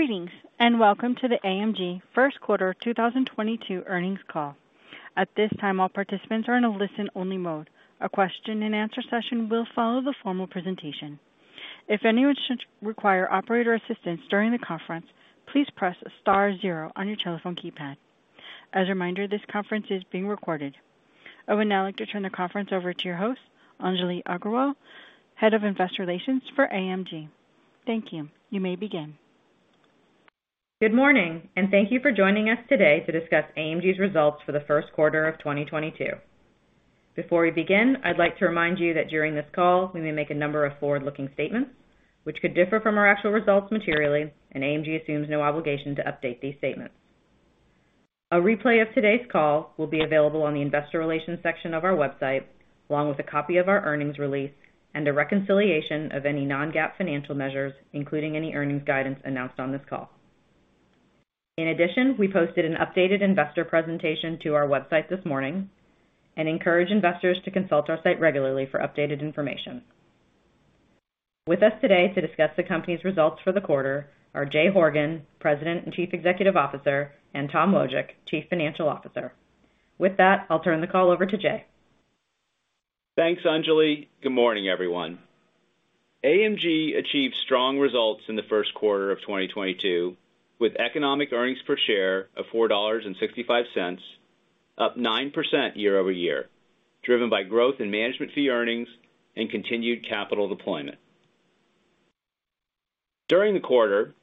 Greetings, welcome to the AMG first quarter 2022 earnings call. At this time, all participants are in a listen-only mode. A question and answer session will follow the formal presentation. If anyone should require operator assistance during the conference, please press star zero on your telephone keypad. As a reminder, this conference is being recorded. I would now like to turn the conference over to your host, Anjali Aggarwal, head of Investor Relations for AMG. Thank you. You may begin. Good morning, and thank you for joining us today to discuss AMG's results for the first quarter of 2022. Before we begin, I'd like to remind you that during this call, we may make a number of forward-looking statements which could differ from our actual results materially, and AMG assumes no obligation to update these statements. A replay of today's call will be available on the investor relations section of our website, along with a copy of our earnings release and a reconciliation of any non-GAAP financial measures, including any earnings guidance announced on this call. In addition, we posted an updated investor presentation to our website this morning and encourage investors to consult our site regularly for updated information. With us today to discuss the company's results for the quarter are Jay Horgen, President and Chief Executive Officer, and Tom Wojcik, Chief Financial Officer. With that, I'll turn the call over to Jay. Thanks, Anjali. Good morning, everyone. AMG achieved strong results in the first quarter of 2022, with economic earnings per share of $4.65, up 9% year-over-year, driven by growth in management fee earnings and continued capital deployment. During the quarter,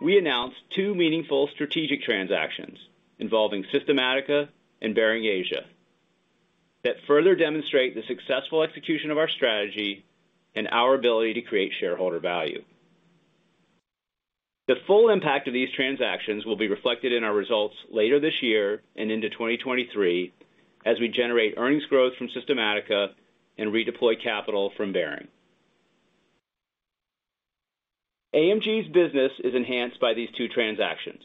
we announced two meaningful strategic transactions involving Systematica and Baring Asia that further demonstrate the successful execution of our strategy and our ability to create shareholder value. The full impact of these transactions will be reflected in our results later this year and into 2023, as we generate earnings growth from Systematica and redeploy capital from Baring. AMG's business is enhanced by these two transactions,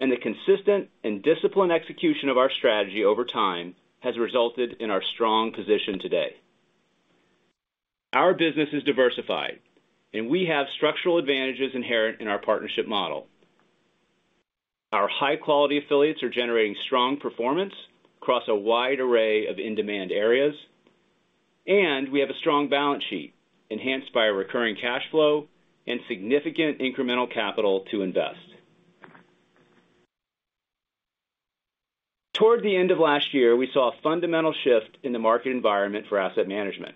and the consistent and disciplined execution of our strategy over time has resulted in our strong position today. Our business is diversified, and we have structural advantages inherent in our partnership model. Our high quality affiliates are generating strong performance across a wide array of in-demand areas, and we have a strong balance sheet enhanced by a recurring cash flow and significant incremental capital to invest. Toward the end of last year, we saw a fundamental shift in the market environment for asset management,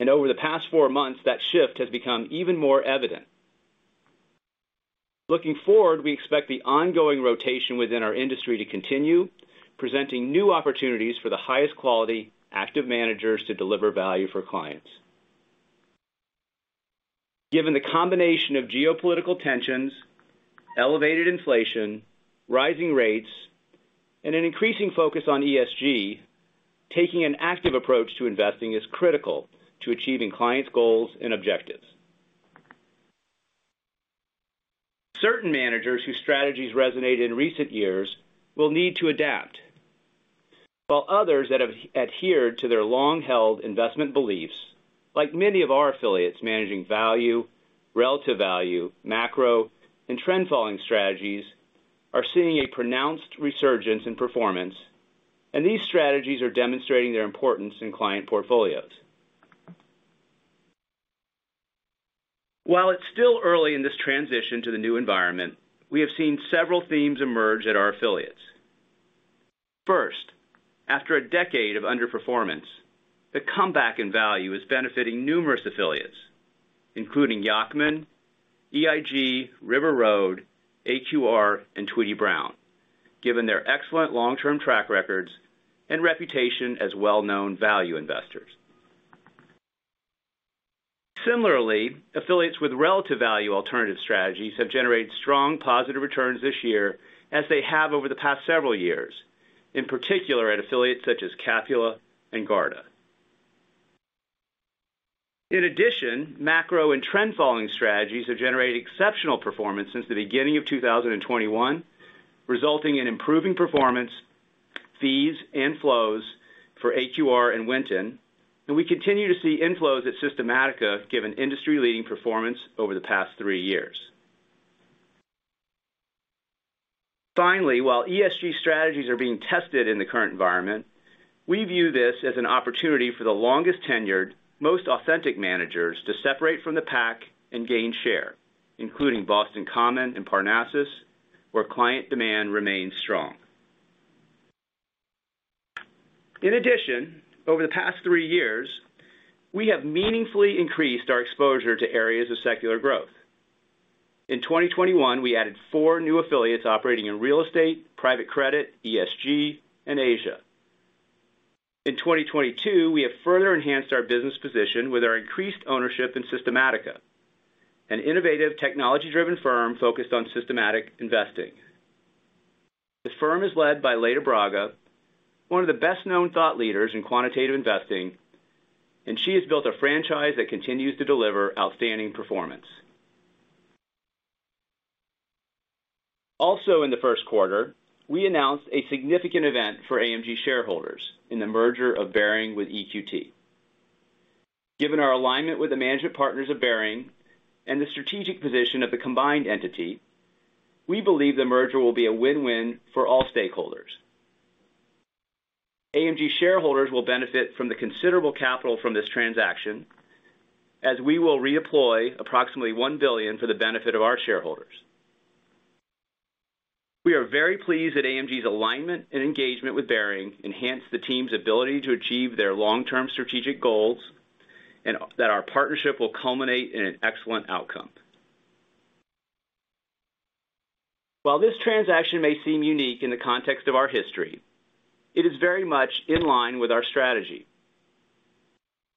and over the past four months, that shift has become even more evident. Looking forward, we expect the ongoing rotation within our industry to continue, presenting new opportunities for the highest quality active managers to deliver value for clients. Given the combination of geopolitical tensions, elevated inflation, rising rates, and an increasing focus on ESG, taking an active approach to investing is critical to achieving clients' goals and objectives. Certain managers whose strategies resonated in recent years will need to adapt, while others that have adhered to their long-held investment beliefs, like many of our affiliates managing value, relative value, macro, and trend following strategies, are seeing a pronounced resurgence in performance, and these strategies are demonstrating their importance in client portfolios. While it's still early in this transition to the new environment, we have seen several themes emerge at our affiliates. First, after a decade of underperformance, the comeback in value is benefiting numerous affiliates, including Yacktman, EIG, River Road, AQR, and Tweedy, Browne, given their excellent long-term track records and reputation as well-known value investors. Similarly, affiliates with relative value alternative strategies have generated strong positive returns this year, as they have over the past several years, in particular at affiliates such as Capula and Garda. In addition, macro and trend following strategies have generated exceptional performance since the beginning of 2021, resulting in improving performance, fees, and flows for AQR and Winton, and we continue to see inflows at Systematica given industry-leading performance over the past three years. Finally, while ESG strategies are being tested in the current environment, we view this as an opportunity for the longest tenured, most authentic managers to separate from the pack and gain share, including Boston Common and Parnassus, where client demand remains strong. In addition, over the past three years, we have meaningfully increased our exposure to areas of secular growth. In 2021, we added 4 new affiliates operating in real estate, private credit, ESG, and Asia. In 2022, we have further enhanced our business position with our increased ownership in Systematica, an innovative technology-driven firm focused on systematic investing. This firm is led by Leda Braga, one of the best-known thought leaders in quantitative investing, and she has built a franchise that continues to deliver outstanding performance. Also in the first quarter, we announced a significant event for AMG shareholders in the merger of Baring with EQT. Given our alignment with the management partners of Baring and the strategic position of the combined entity, we believe the merger will be a win-win for all stakeholders. AMG shareholders will benefit from the considerable capital from this transaction, as we will reemploy approximately $1 billion for the benefit of our shareholders. We are very pleased that AMG's alignment and engagement with Baring enhance the team's ability to achieve their long-term strategic goals, and that our partnership will culminate in an excellent outcome. While this transaction may seem unique in the context of our history, it is very much in line with our strategy.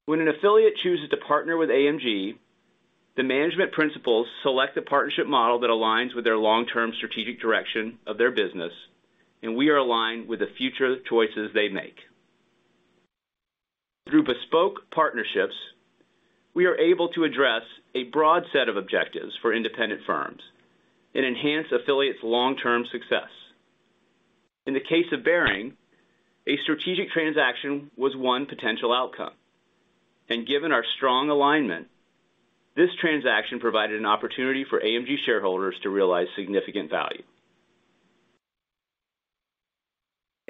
When an affiliate chooses to partner with AMG, the management principals select the partnership model that aligns with their long-term strategic direction of their business, and we are aligned with the future choices they make. Through bespoke partnerships, we are able to address a broad set of objectives for independent firms and enhance affiliates' long-term success. In the case of Baring, a strategic transaction was one potential outcome. Given our strong alignment, this transaction provided an opportunity for AMG shareholders to realize significant value.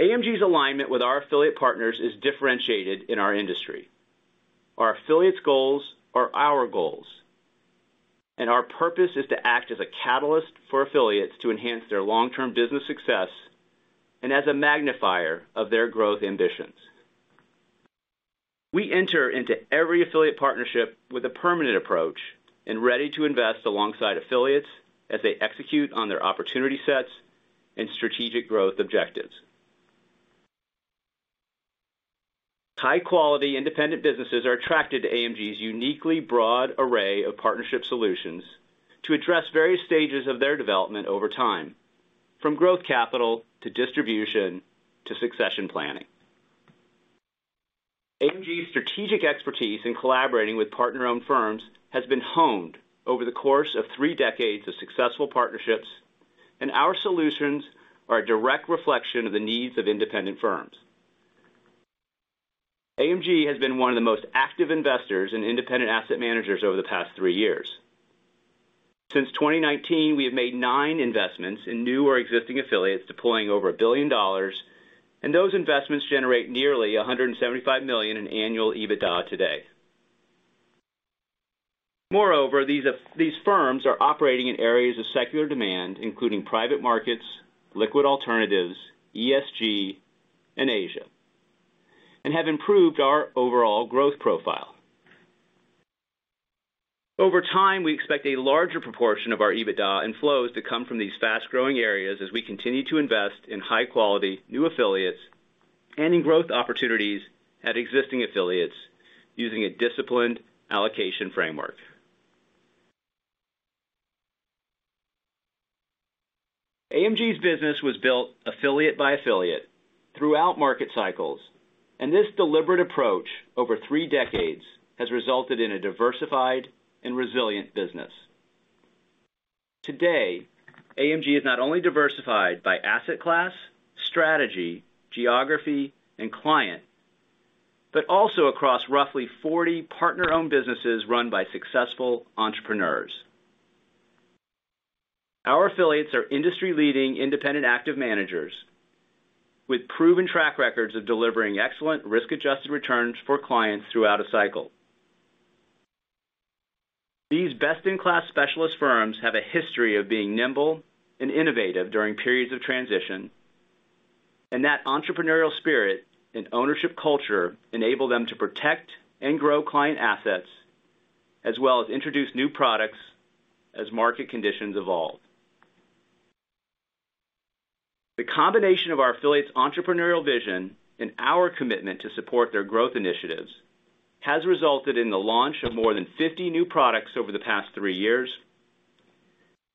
AMG's alignment with our affiliate partners is differentiated in our industry. Our affiliates' goals are our goals, and our purpose is to act as a catalyst for affiliates to enhance their long-term business success and as a magnifier of their growth ambitions. We enter into every affiliate partnership with a permanent approach and ready to invest alongside affiliates as they execute on their opportunity sets and strategic growth objectives. High-quality independent businesses are attracted to AMG's uniquely broad array of partnership solutions to address various stages of their development over time, from growth capital to distribution to succession planning. AMG's strategic expertise in collaborating with partner-owned firms has been honed over the course of three decades of successful partnerships, and our solutions are a direct reflection of the needs of independent firms. AMG has been one of the most active investors in independent asset managers over the past three years. Since 2019, we have made nine investments in new or existing affiliates, deploying over $1 billion, and those investments generate nearly $175 million in annual EBITDA today. Moreover, these firms are operating in areas of secular demand, including private markets, liquid alternatives, ESG, and Asia, and have improved our overall growth profile. Over time, we expect a larger proportion of our EBITDA and flows to come from these fast-growing areas as we continue to invest in high-quality new affiliates and in growth opportunities at existing affiliates using a disciplined allocation framework. AMG's business was built affiliate by affiliate throughout market cycles, and this deliberate approach over three decades has resulted in a diversified and resilient business. Today, AMG is not only diversified by asset class, strategy, geography, and client, but also across roughly 40 partner-owned businesses run by successful entrepreneurs. Our affiliates are industry-leading independent active managers with proven track records of delivering excellent risk-adjusted returns for clients throughout a cycle. These best-in-class specialist firms have a history of being nimble and innovative during periods of transition, and that entrepreneurial spirit and ownership culture enable them to protect and grow client assets, as well as introduce new products as market conditions evolve. The combination of our affiliates' entrepreneurial vision and our commitment to support their growth initiatives has resulted in the launch of more than 50 new products over the past three years,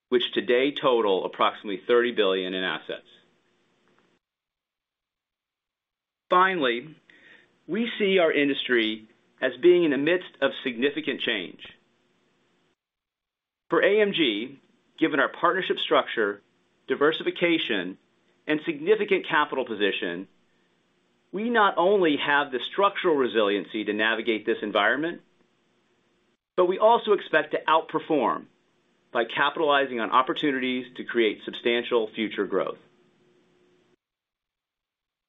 which today total approximately $30 billion in assets. Finally, we see our industry as being in the midst of significant change. For AMG, given our partnership structure, diversification, and significant capital position, we not only have the structural resiliency to navigate this environment, but we also expect to outperform by capitalizing on opportunities to create substantial future growth.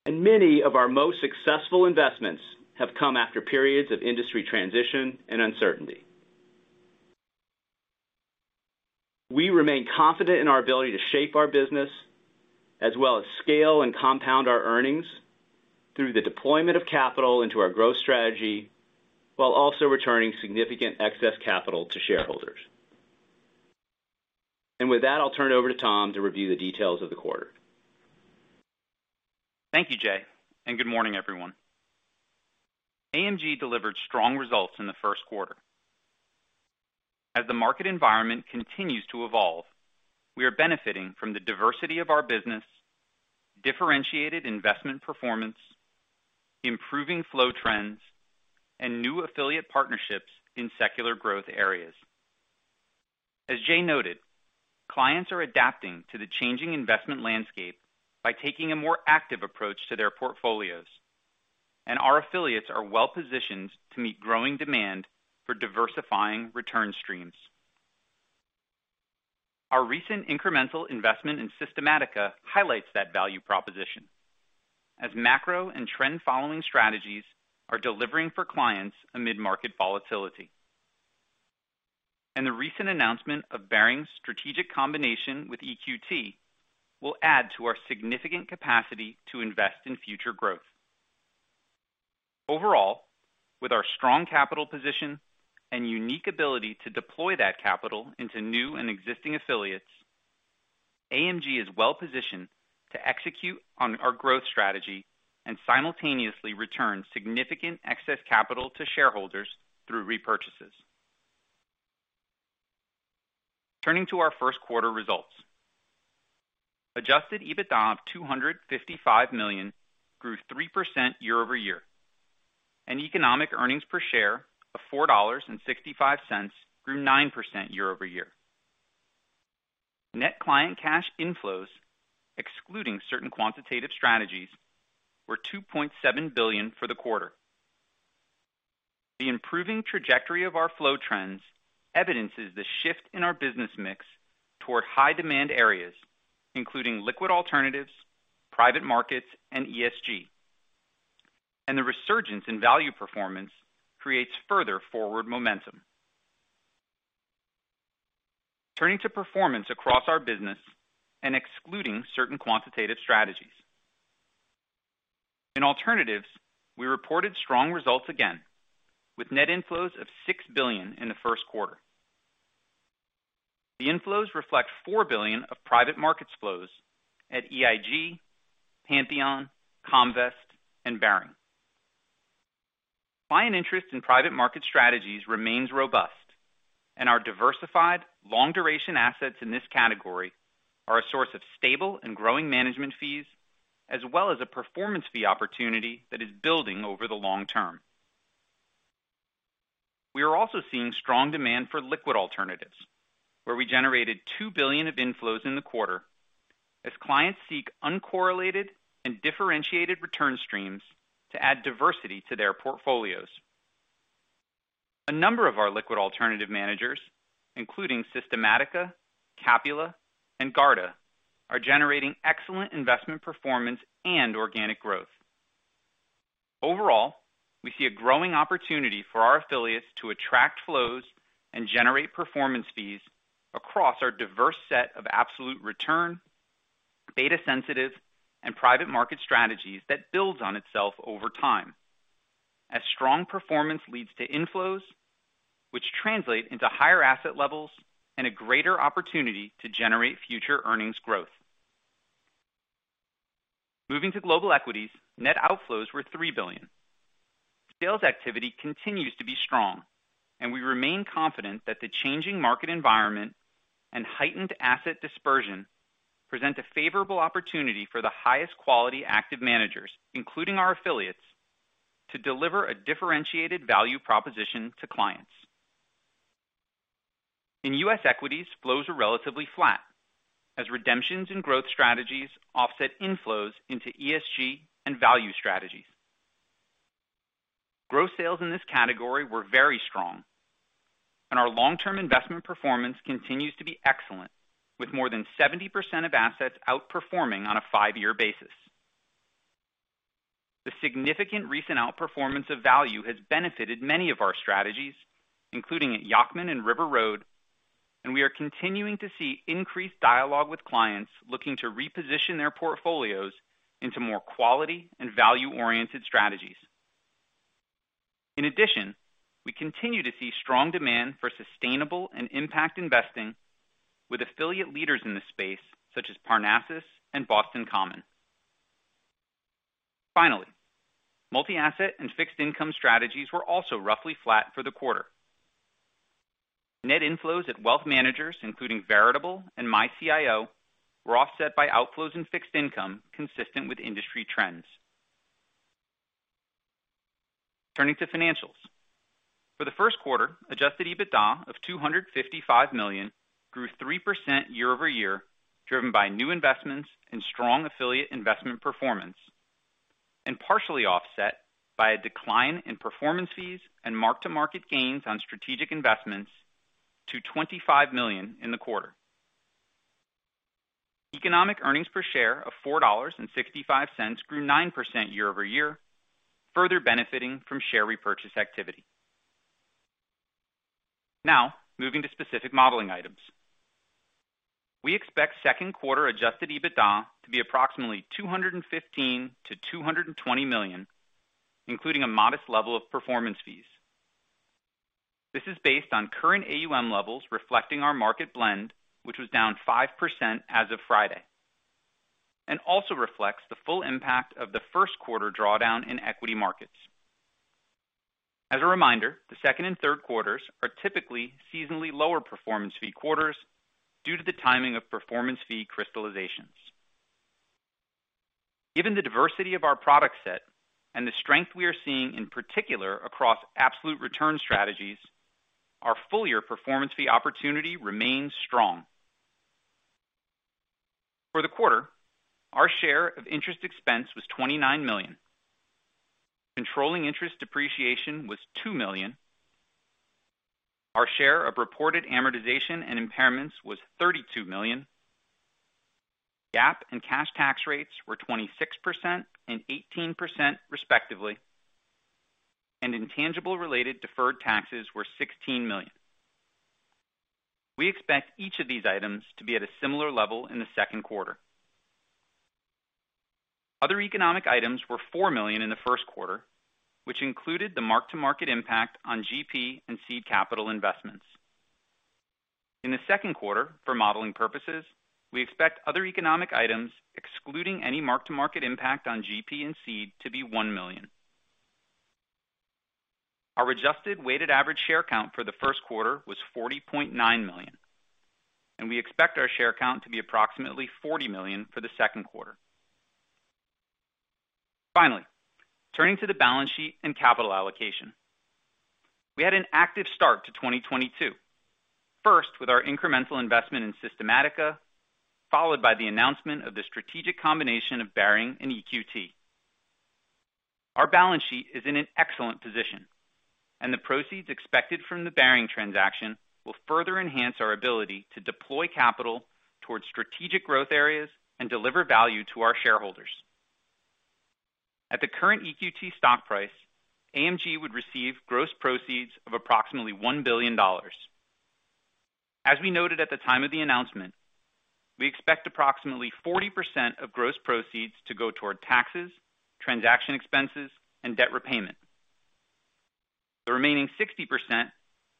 Many of our most successful investments have come after periods of industry transition and uncertainty. We remain confident in our ability to shape our business as well as scale and compound our earnings through the deployment of capital into our growth strategy while also returning significant excess capital to shareholders. With that, I'll turn it over to Tom to review the details of the quarter. Thank you, Jay, and good morning, everyone. AMG delivered strong results in the first quarter. As the market environment continues to evolve, we are benefiting from the diversity of our business, differentiated investment performance, improving flow trends, and new affiliate partnerships in secular growth areas. As Jay noted, clients are adapting to the changing investment landscape by taking a more active approach to their portfolios, and our affiliates are well positioned to meet growing demand for diversifying return streams. Our recent incremental investment in Systematica highlights that value proposition, as macro and trend following strategies are delivering for clients amid market volatility. The recent announcement of Baring's strategic combination with EQT will add to our significant capacity to invest in future growth. Overall, with our strong capital position and unique ability to deploy that capital into new and existing affiliates, AMG is well positioned to execute on our growth strategy and simultaneously return significant excess capital to shareholders through repurchases. Turning to our first quarter results. Adjusted EBITDA of $255 million grew 3% year-over-year, and economic earnings per share of $4.65 grew 9% year-over-year. Net client cash inflows, excluding certain quantitative strategies, were $2.7 billion for the quarter. The improving trajectory of our flow trends evidences the shift in our business mix toward high demand areas, including liquid alternatives, private markets, and ESG. The resurgence in value performance creates further forward momentum. Turning to performance across our business and excluding certain quantitative strategies. In alternatives, we reported strong results again with net inflows of $6 billion in the first quarter. The inflows reflect $4 billion of private markets flows at EIG, Pantheon, Comvest and Baring. Client interest in private market strategies remains robust, and our diversified long-duration assets in this category are a source of stable and growing management fees, as well as a performance fee opportunity that is building over the long term. We are also seeing strong demand for liquid alternatives, where we generated $2 billion of inflows in the quarter as clients seek uncorrelated and differentiated return streams to add diversity to their portfolios. A number of our liquid alternative managers, including Systematica, Capula, and Garda, are generating excellent investment performance and organic growth. Overall, we see a growing opportunity for our affiliates to attract flows and generate performance fees across our diverse set of absolute return, data sensitive and private market strategies that builds on itself over time. As strong performance leads to inflows, which translate into higher asset levels and a greater opportunity to generate future earnings growth. Moving to global equities, net outflows were $3 billion. Sales activity continues to be strong, and we remain confident that the changing market environment and heightened asset dispersion present a favorable opportunity for the highest quality active managers, including our affiliates, to deliver a differentiated value proposition to clients. In U.S. equities, flows are relatively flat as redemptions and growth strategies offset inflows into ESG and value strategies. Growth sales in this category were very strong, and our long-term investment performance continues to be excellent, with more than 70% of assets outperforming on a five-year basis. The significant recent outperformance of value has benefited many of our strategies, including at Yacktman and River Road, and we are continuing to see increased dialogue with clients looking to reposition their portfolios into more quality and value-oriented strategies. In addition, we continue to see strong demand for sustainable and impact investing with affiliate leaders in this space such as Parnassus and Boston Common. Finally, multi-asset and fixed income strategies were also roughly flat for the quarter. Net inflows at wealth managers, including Veritable and myCIO, were offset by outflows in fixed income consistent with industry trends. Turning to financials. For the first quarter, adjusted EBITDA of $255 million grew 3% year-over-year, driven by new investments and strong affiliate investment performance, and partially offset by a decline in performance fees and mark-to-market gains on strategic investments to $25 million in the quarter. Economic earnings per share of $4.65 grew 9% year over year, further benefiting from share repurchase activity. Now, moving to specific modeling items. We expect second quarter adjusted EBITDA to be approximately $215 million-$220 million, including a modest level of performance fees. This is based on current AUM levels reflecting our market blend, which was down 5% as of Friday, and also reflects the full impact of the first quarter drawdown in equity markets. As a reminder, the second and third quarters are typically seasonally lower performance fee quarters due to the timing of performance fee crystallizations. Given the diversity of our product set and the strength we are seeing in particular across absolute return strategies, our full-year performance fee opportunity remains strong. For the quarter, our share of interest expense was $29 million. Controlling interest depreciation was $2 million. Our share of reported amortization and impairments was $32 million. GAAP and cash tax rates were 26% and 18% respectively, and intangible related deferred taxes were $16 million. We expect each of these items to be at a similar level in the second quarter. Other economic items were $4 million in the first quarter, which included the mark-to-market impact on GP and seed capital investments. In the second quarter, for modeling purposes, we expect other economic items, excluding any mark-to-market impact on GP and seed, to be $1 million. Our adjusted weighted average share count for the first quarter was 40.9 million, and we expect our share count to be approximately $40 million for the second quarter. Finally, turning to the balance sheet and capital allocation. We had an active start to 2022, first with our incremental investment in Systematica, followed by the announcement of the strategic combination of Baring and EQT. Our balance sheet is in an excellent position, and the proceeds expected from the Baring transaction will further enhance our ability to deploy capital towards strategic growth areas and deliver value to our shareholders. At the current EQT stock price, AMG would receive gross proceeds of approximately $1 billion. As we noted at the time of the announcement, we expect approximately 40% of gross proceeds to go toward taxes, transaction expenses, and debt repayment. The remaining 60%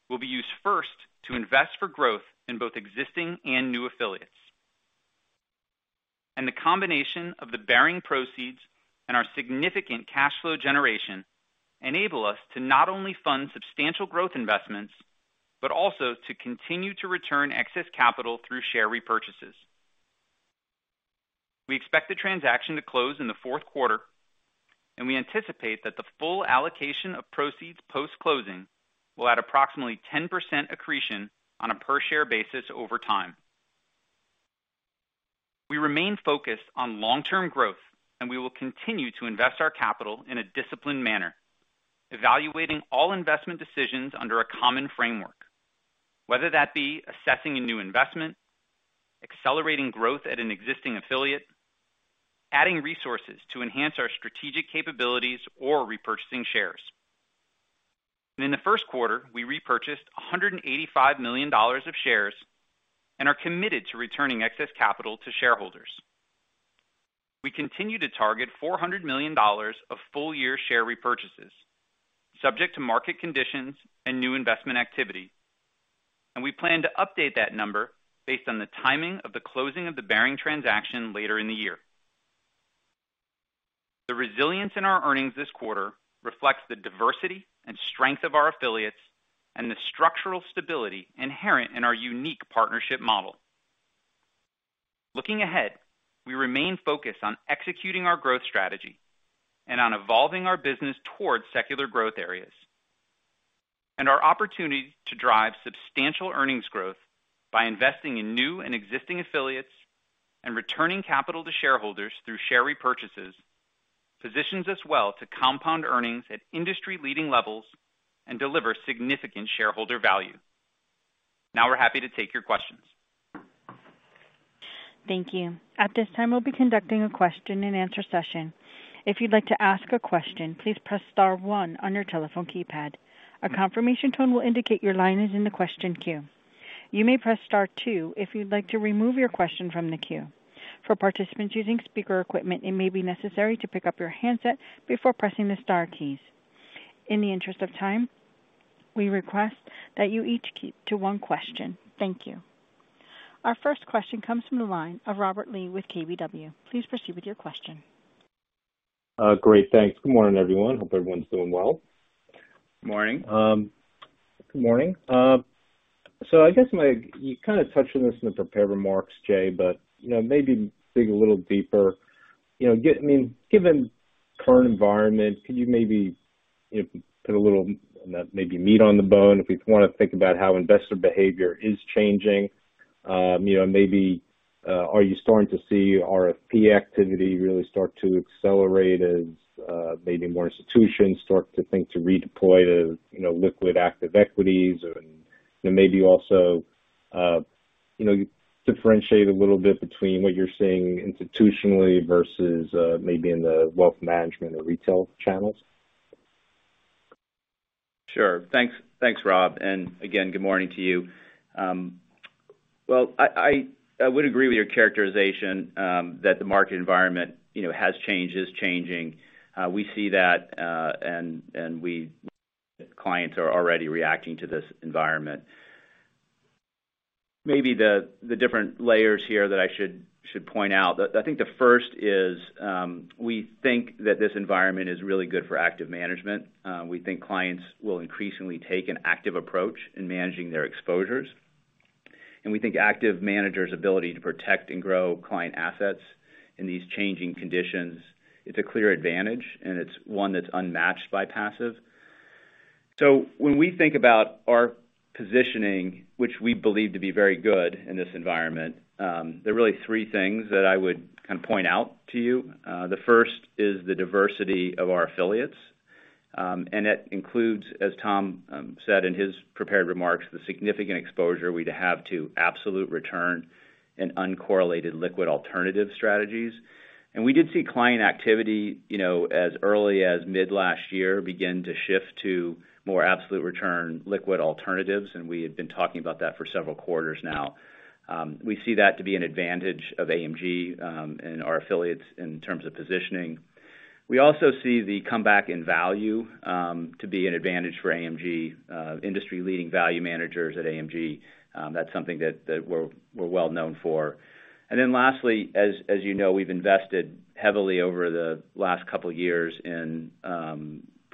will be used first to invest for growth in both existing and new affiliates. The combination of the Baring proceeds and our significant cash flow generation enable us to not only fund substantial growth investments, but also to continue to return excess capital through share repurchases. We expect the transaction to close in the fourth quarter, and we anticipate that the full allocation of proceeds post-closing will add approximately 10% accretion on a per share basis over time. We remain focused on long-term growth, and we will continue to invest our capital in a disciplined manner, evaluating all investment decisions under a common framework, whether that be assessing a new investment, accelerating growth at an existing affiliate, adding resources to enhance our strategic capabilities or repurchasing shares. In the first quarter, we repurchased $185 million of shares and are committed to returning excess capital to shareholders. We continue to target $400 million of full-year share repurchases, subject to market conditions and new investment activity. We plan to update that number based on the timing of the closing of the Baring transaction later in the year. The resilience in our earnings this quarter reflects the diversity and strength of our affiliates and the structural stability inherent in our unique partnership model. Looking ahead, we remain focused on executing our growth strategy and on evolving our business towards secular growth areas. Our opportunity to drive substantial earnings growth by investing in new and existing affiliates and returning capital to shareholders through share repurchases positions us well to compound earnings at industry-leading levels and deliver significant shareholder value. Now we're happy to take your questions. Thank you. At this time, we'll be conducting a question-and-answer session. If you'd like to ask a question, please press star one on your telephone keypad. A confirmation tone will indicate your line is in the question queue. You may press star two if you'd like to remove your question from the queue. For participants using speaker equipment, it may be necessary to pick up your handset before pressing the star keys. In the interest of time, we request that you each keep to one question. Thank you. Our first question comes from the line of Robert Lee with KBW. Please proceed with your question. Great. Thanks. Good morning, everyone. Hope everyone's doing well. Morning. Good morning. I guess you kinda touched on this in the prepared remarks, Jay, but, you know, maybe dig a little deeper. You know, I mean, given current environment, could you maybe, you know, put a little, maybe meat on the bone if we wanna think about how investor behavior is changing? You know, maybe, are you starting to see RFP activity really start to accelerate as, maybe more institutions start to think to redeploy the, you know, liquid active equities? And then maybe also, you know, differentiate a little bit between what you're seeing institutionally versus, maybe in the wealth management or retail channels. Sure. Thanks, Rob, and again, good morning to you. I would agree with your characterization that the market environment, you know, has changed, is changing. We see that, and clients are already reacting to this environment. Maybe the different layers here that I should point out. I think the first is we think that this environment is really good for active management. We think clients will increasingly take an active approach in managing their exposures. We think active managers' ability to protect and grow client assets in these changing conditions is a clear advantage, and it's one that's unmatched by passive. When we think about our positioning, which we believe to be very good in this environment, there are really three things that I would kind of point out to you. The first is the diversity of our affiliates, and that includes, as Tom said in his prepared remarks, the significant exposure we'd have to absolute return in uncorrelated liquid alternative strategies. We did see client activity, you know, as early as mid-last year begin to shift to more absolute return liquid alternatives, and we have been talking about that for several quarters now. We see that to be an advantage of AMG, and our affiliates in terms of positioning. We also see the comeback in value to be an advantage for AMG, industry-leading value managers at AMG. That's something that we're well known for. Then lastly, as you know, we've invested heavily over the last couple years in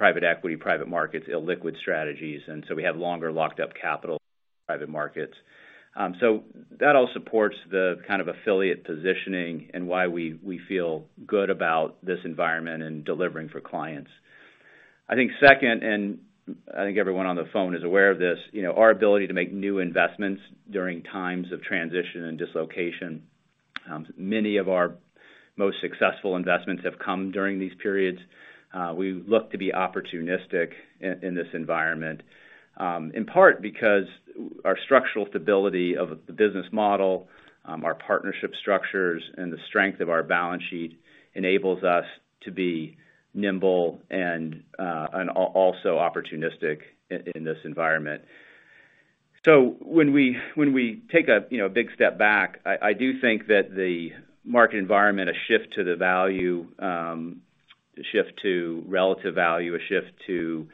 private equity, private markets, illiquid strategies, and so we have longer locked up capital private markets. So that all supports the kind of affiliate positioning and why we feel good about this environment and delivering for clients. I think second, and I think everyone on the phone is aware of this, you know, our ability to make new investments during times of transition and dislocation. Many of our most successful investments have come during these periods. We look to be opportunistic in this environment, in part because our structural stability of the business model, our partnership structures, and the strength of our balance sheet enables us to be nimble and also opportunistic in this environment. When we take a, you know, big step back, I do think that the market environment, a shift to the value, a shift to relative value, a shift to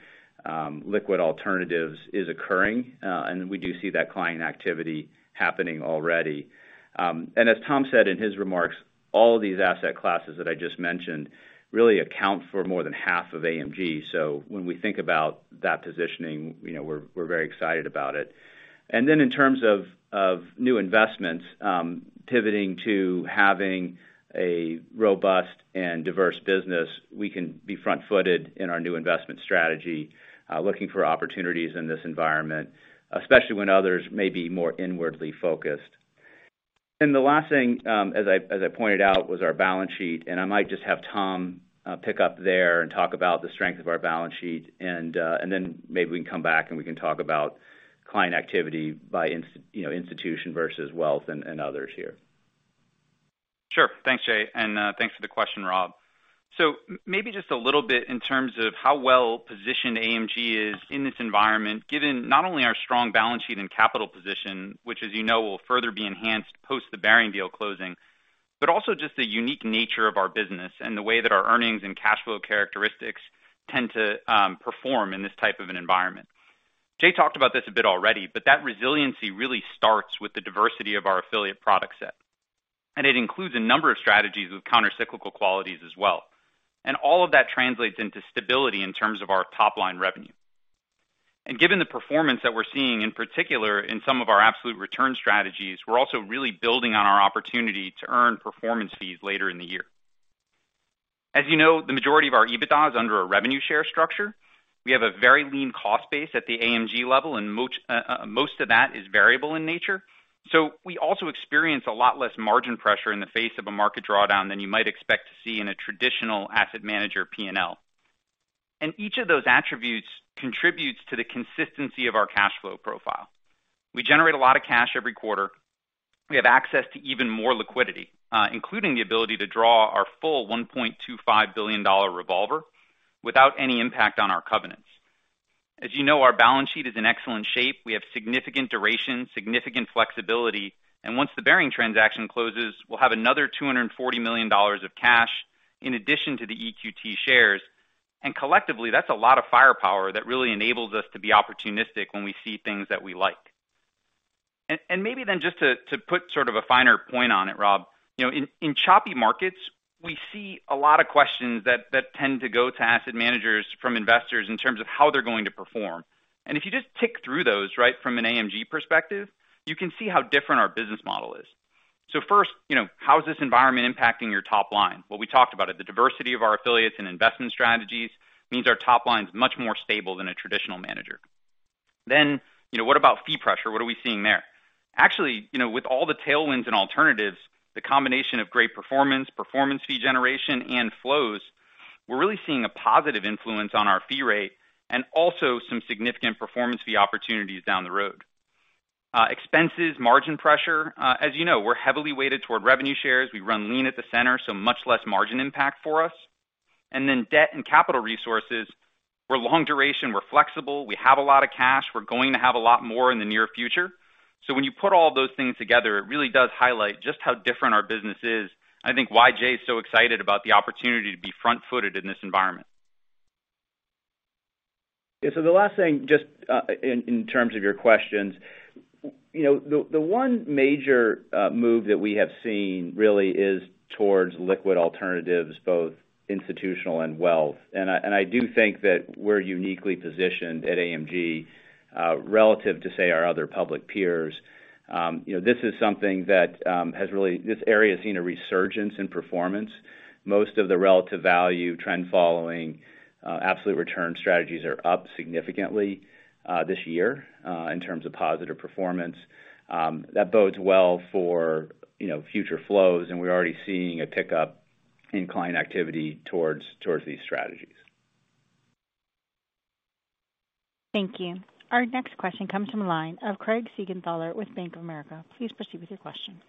liquid alternatives is occurring, and we do see that client activity happening already. As Tom said in his remarks, all of these asset classes that I just mentioned really account for more than half of AMG. When we think about that positioning, you know, we're very excited about it. Then in terms of new investments, pivoting to having a robust and diverse business, we can be front-footed in our new investment strategy, looking for opportunities in this environment, especially when others may be more inwardly focused. The last thing, as I pointed out, was our balance sheet, and I might just have Tom pick up there and talk about the strength of our balance sheet and then maybe we can come back, and we can talk about client activity by institution, you know, versus wealth and others here. Sure. Thanks, Jay, and thanks for the question, Rob. So maybe just a little bit in terms of how well-positioned AMG is in this environment, given not only our strong balance sheet and capital position, which, as you know, will further be enhanced post the Baring deal closing, but also just the unique nature of our business and the way that our earnings and cash flow characteristics tend to perform in this type of an environment. Jay talked about this a bit already, but that resiliency really starts with the diversity of our affiliate product set, and it includes a number of strategies with counter-cyclical qualities as well. All of that translates into stability in terms of our top-line revenue. Given the performance that we're seeing, in particular in some of our absolute return strategies, we're also really building on our opportunity to earn performance fees later in the year. As you know, the majority of our EBITDA is under a revenue share structure. We have a very lean cost base at the AMG level, and most of that is variable in nature. We also experience a lot less margin pressure in the face of a market drawdown than you might expect to see in a traditional asset manager P&L. Each of those attributes contributes to the consistency of our cash flow profile. We generate a lot of cash every quarter. We have access to even more liquidity, including the ability to draw our full $1.25 billion revolver without any impact on our covenants. As you know, our balance sheet is in excellent shape. We have significant duration, significant flexibility, and once the Baring transaction closes, we'll have another $240 million of cash in addition to the EQT shares. Collectively, that's a lot of firepower that really enables us to be opportunistic when we see things that we like. Maybe then just to put sort of a finer point on it, Rob, you know, in choppy markets, we see a lot of questions that tend to go to asset managers from investors in terms of how they're going to perform. If you just tick through those, right, from an AMG perspective, you can see how different our business model is. First, you know, how is this environment impacting your top line? Well, we talked about it. The diversity of our affiliates and investment strategies means our top line's much more stable than a traditional manager. You know, what about fee pressure? What are we seeing there? Actually, you know, with all the tailwinds and alternatives, the combination of great performance fee generation, and flows, we're really seeing a positive influence on our fee rate and also some significant performance fee opportunities down the road. Expenses, margin pressure, as you know, we're heavily weighted toward revenue shares. We run lean at the center, so much less margin impact for us. Debt and capital resources, we're long duration, we're flexible, we have a lot of cash, we're going to have a lot more in the near future. When you put all those things together, it really does highlight just how different our business is, and I think why Jay is so excited about the opportunity to be front-footed in this environment. Yeah. The last thing, just, in terms of your questions, you know, the one major move that we have seen really is towards liquid alternatives, both institutional and wealth. I do think that we're uniquely positioned at AMG relative to, say, our other public peers. You know, this is something that has really, this area has seen a resurgence in performance. Most of the relative value trend following absolute return strategies are up significantly this year in terms of positive performance. That bodes well for, you know, future flows, and we're already seeing a pickup in client activity towards these strategies. Thank you. Our next question comes from the line of Craig Siegenthaler with Bank of America. Please proceed with your question.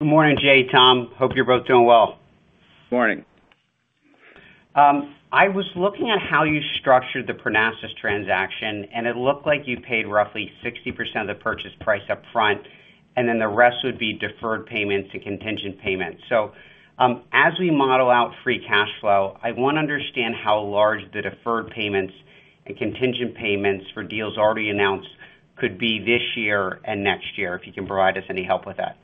Good morning, Jay, Tom. Hope you're both doing well. Morning. I was looking at how you structured the Parnassus transaction, and it looked like you paid roughly 60% of the purchase price up front, and then the rest would be deferred payments and contingent payments. As we model out free cash flow, I wanna understand how large the deferred payments and contingent payments for deals already announced could be this year and next year, if you can provide us any help with that.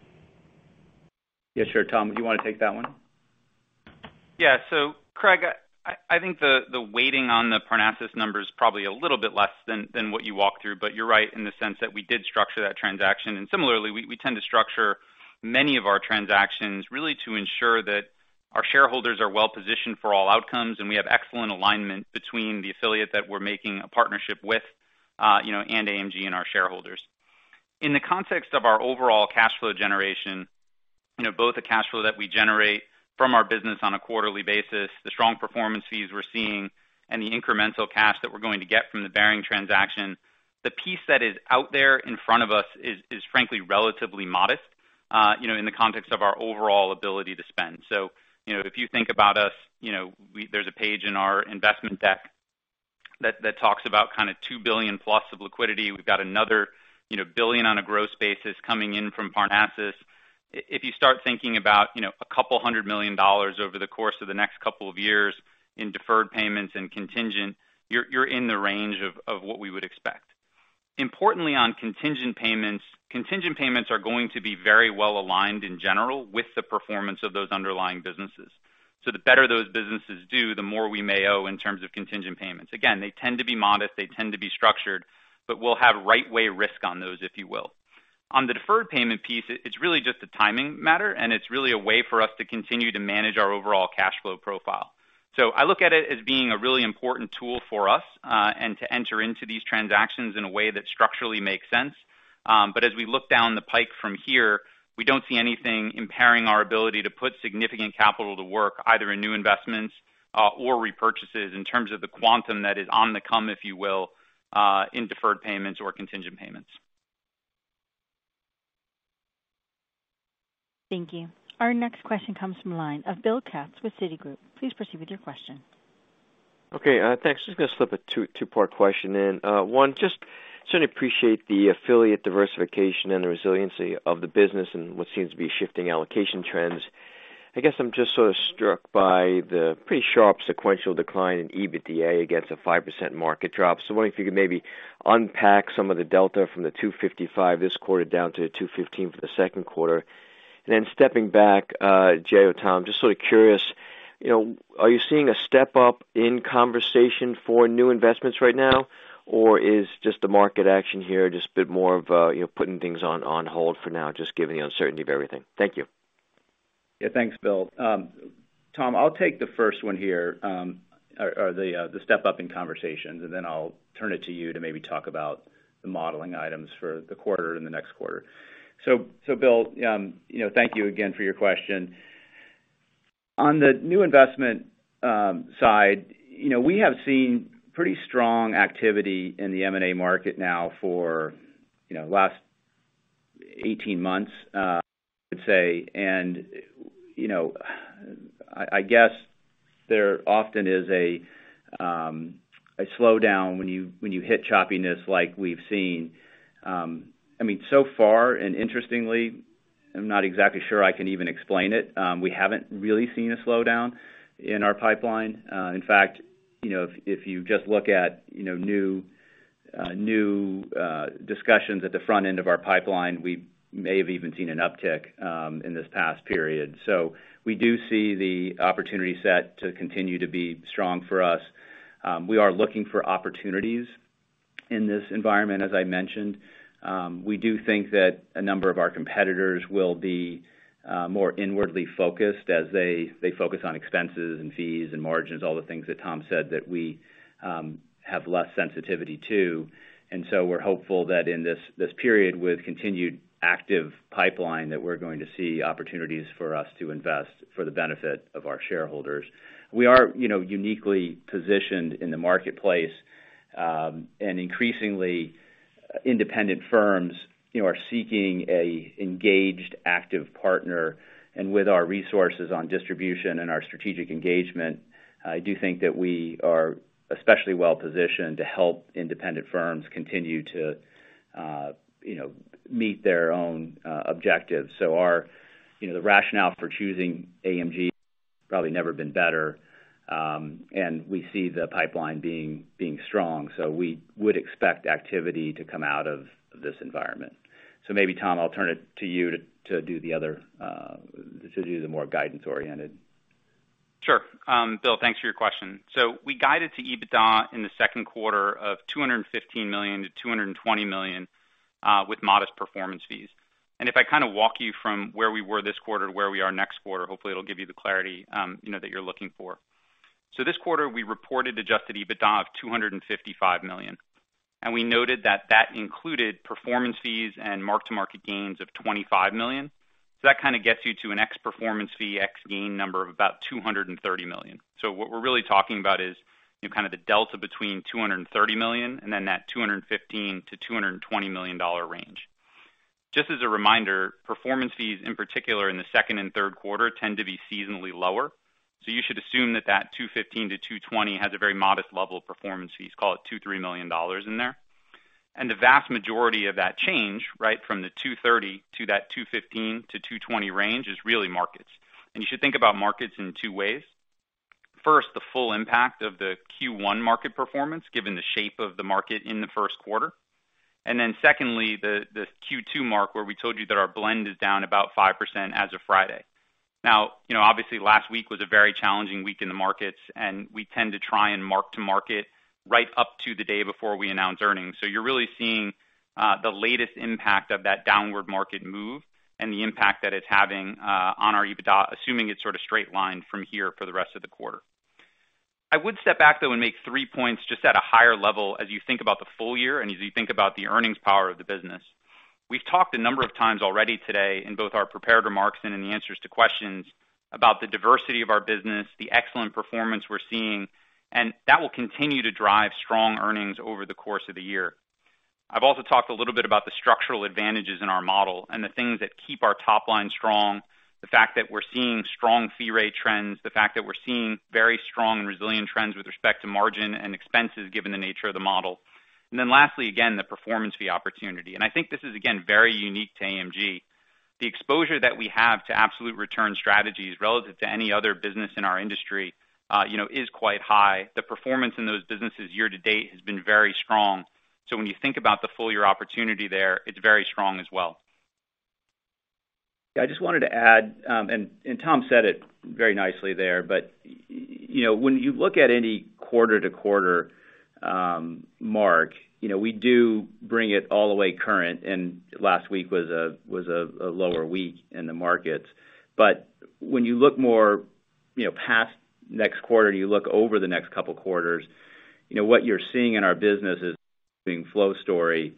Yeah, sure. Tom, do you wanna take that one? Yeah. Craig, I think the weighting on the Parnassus number is probably a little bit less than what you walked through, but you're right in the sense that we did structure that transaction. Similarly, we tend to structure many of our transactions really to ensure that our shareholders are well-positioned for all outcomes, and we have excellent alignment between the affiliate that we're making a partnership with, you know, and AMG and our shareholders. In the context of our overall cash flow generation, you know, both the cash flow that we generate from our business on a quarterly basis, the strong performance fees we're seeing, and the incremental cash that we're going to get from the Baring transaction, the piece that is out there in front of us is frankly relatively modest, you know, in the context of our overall ability to spend. If you think about us, you know, there's a page in our investment deck that talks about kinda $2 billion+ of liquidity. We've got another, you know, $1 billion on a gross basis coming in from Parnassus. If you start thinking about, you know, $200 million over the course of the next couple of years in deferred payments and contingent, you're in the range of what we would expect. Importantly, on contingent payments, contingent payments are going to be very well-aligned in general with the performance of those underlying businesses. The better those businesses do, the more we may owe in terms of contingent payments. Again, they tend to be modest, they tend to be structured, but we'll have right way risk on those, if you will. On the deferred payment piece, it's really just a timing matter, and it's really a way for us to continue to manage our overall cash flow profile. I look at it as being a really important tool for us, and to enter into these transactions in a way that structurally makes sense. As we look down the pike from here, we don't see anything impairing our ability to put significant capital to work, either in new investments, or repurchases in terms of the quantum that is on the come, if you will, in deferred payments or contingent payments. Thank you. Our next question comes from line of Bill Katz with Citigroup. Please proceed with your question. Okay, thanks. Just gonna slip a two-part question in. One, just certainly appreciate the affiliate diversification and the resiliency of the business and what seems to be shifting allocation trends. I guess I'm just sort of struck by the pretty sharp sequential decline in EBITDA against a 5% market drop. Wondering if you could maybe unpack some of the delta from the $255 this quarter down to the $215 for the second quarter. Stepping back, Jay or Tom, just sort of curious, you know, are you seeing a step up in conversation for new investments right now, or is just the market action here just a bit more of, you know, putting things on hold for now, just given the uncertainty of everything? Thank you. Yeah, thanks, Bill. Tom, I'll take the first one here, or the step up in conversations, and then I'll turn it to you to maybe talk about the modeling items for the quarter and the next quarter. Bill, you know, thank you again for your question. On the new investment side, you know, we have seen pretty strong activity in the M&A market now for, you know, the last 18 months, I'd say. You know, I guess there often is a slowdown when you hit choppiness like we've seen. I mean, so far, and interestingly, I'm not exactly sure I can even explain it, we haven't really seen a slowdown in our pipeline. In fact, you know, if you just look at, you know, new discussions at the front end of our pipeline, we may have even seen an uptick in this past period. We do see the opportunity set to continue to be strong for us. We are looking for opportunities in this environment, as I mentioned. We do think that a number of our competitors will be more inwardly focused as they focus on expenses and fees and margins, all the things that Tom said that we have less sensitivity to. We're hopeful that in this period with continued active pipeline, that we're going to see opportunities for us to invest for the benefit of our shareholders. We are, you know, uniquely positioned in the marketplace, and increasingly independent firms, you know, are seeking an engaged, active partner. With our resources on distribution and our strategic engagement, I do think that we are especially well-positioned to help independent firms continue to, you know, meet their own objectives. Our, you know, the rationale for choosing AMG probably never been better, and we see the pipeline being strong. We would expect activity to come out of this environment. Maybe Tom, I'll turn it to you to do the other, to do the more guidance-oriented. Sure. Bill, thanks for your question. We guided to EBITDA in the second quarter of $215 million-$220 million with modest performance fees. If I kinda walk you from where we were this quarter to where we are next quarter, hopefully it'll give you the clarity you know that you're looking for. This quarter, we reported adjusted EBITDA of $255 million, and we noted that that included performance fees and mark-to-market gains of $25 million. That kinda gets you to an ex performance fee, ex gain number of about $230 million. What we're really talking about is kind of the delta between $230 million and then that $215 million-$220 million dollar range. Just as a reminder, performance fees, in particular in the second and third quarter, tend to be seasonally lower. You should assume that $215 million-$220 has a very modest level of performance fees, call it $2 million-$3 million in there. The vast majority of that change, right, from the $230 to that $215-$220 range is really markets. You should think about markets in two ways. First, the full impact of the Q1 market performance, given the shape of the market in the first quarter. Then secondly, the Q2 mark, where we told you that our blend is down about 5% as of Friday. Now, you know, obviously, last week was a very challenging week in the markets, and we tend to try and mark to market right up to the day before we announce earnings. You're really seeing the latest impact of that downward market move and the impact that it's having on our EBITDA, assuming it's sort of straight lined from here for the rest of the quarter. I would step back, though, and make three points just at a higher level as you think about the full year and as you think about the earnings power of the business. We've talked a number of times already today in both our prepared remarks and in the answers to questions about the diversity of our business, the excellent performance we're seeing, and that will continue to drive strong earnings over the course of the year. I've also talked a little bit about the structural advantages in our model and the things that keep our top line strong, the fact that we're seeing strong fee rate trends, the fact that we're seeing very strong and resilient trends with respect to margin and expenses given the nature of the model. Lastly, again, the performance fee opportunity. I think this is, again, very unique to AMG. The exposure that we have to absolute return strategies relative to any other business in our industry, you know, is quite high. The performance in those businesses year to date has been very strong. When you think about the full year opportunity there, it's very strong as well. Yeah, I just wanted to add, and Tom said it very nicely there, but you know, when you look at any quarter-over-quarter mark, you know, we do bring it all the way current, and last week was a lower week in the markets. When you look more, you know, past next quarter, you look over the next couple quarters, you know, what you're seeing in our business is a flow story,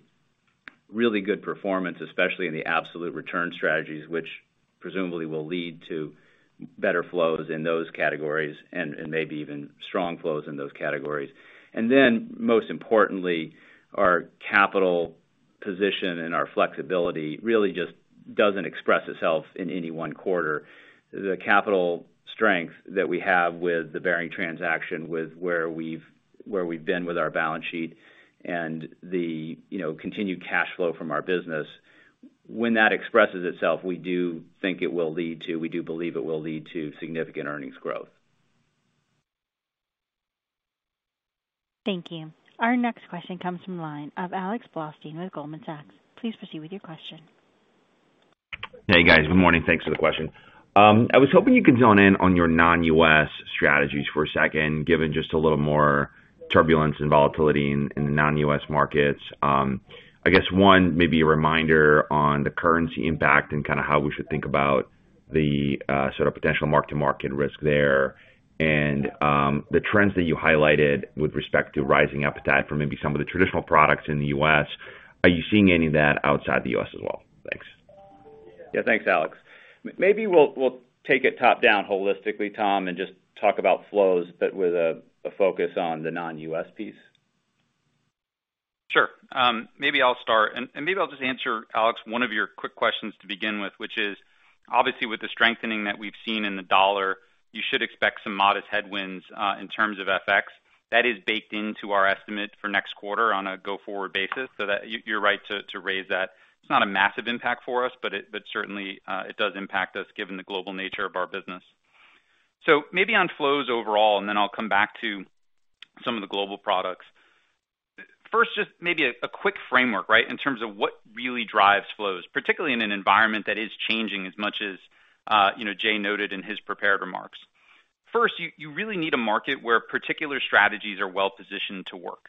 really good performance, especially in the absolute return strategies, which presumably will lead to better flows in those categories and maybe even strong flows in those categories. Then most importantly, our capital position and our flexibility really just doesn't express itself in any one quarter. The capital strength that we have with the Baring transaction, where we've been with our balance sheet and, you know, continued cash flow from our business. When that expresses itself, we do believe it will lead to significant earnings growth. Thank you. Our next question comes from the line of Alex Blostein with Goldman Sachs. Please proceed with your question. Hey, guys. Good morning. Thanks for the question. I was hoping you could zone in on your non-U.S. strategies for a second, given just a little more turbulence and volatility in the non-U.S. markets. I guess one, maybe a reminder on the currency impact and kinda how we should think about the sorta potential mark-to-market risk there. The trends that you highlighted with respect to rising appetite for maybe some of the traditional products in the U.S., are you seeing any of that outside the U.S. as well? Thanks. Yeah. Thanks, Alex. Maybe we'll take it top-down holistically, Tom, and just talk about flows, but with a focus on the non-U.S. piece. Sure. Maybe I'll start, and maybe I'll just answer, Alex, one of your quick questions to begin with, which is, obviously with the strengthening that we've seen in the dollar, you should expect some modest headwinds in terms of FX. That is baked into our estimate for next quarter on a go-forward basis. You're right to raise that. It's not a massive impact for us, but certainly it does impact us given the global nature of our business. Maybe on flows overall, and then I'll come back to some of the global products. First, just maybe a quick framework, right, in terms of what really drives flows, particularly in an environment that is changing as much as you know, Jay noted in his prepared remarks. First, you really need a market where particular strategies are well-positioned to work.